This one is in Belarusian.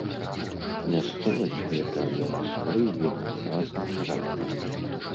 Мясцовасць гэта мела свой вельмі выразны характар.